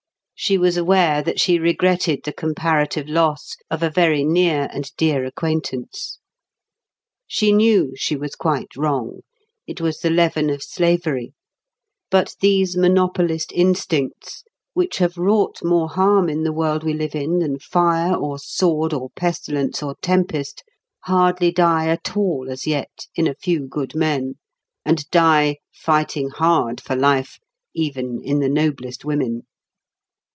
She was aware that she regretted the comparative loss of a very near and dear acquaintance. She knew she was quite wrong. It was the leaven of slavery. But these monopolist instincts, which have wrought more harm in the world we live in than fire or sword or pestilence or tempest, hardly die at all as yet in a few good men, and die, fighting hard for life, even in the noblest women.